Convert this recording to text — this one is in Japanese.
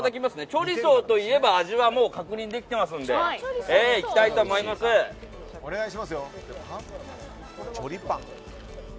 チョリソーといえば味は確認できていますのでいきたいと思います。